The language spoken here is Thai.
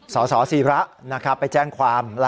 สอสี่พระไปแจ้งความราชการ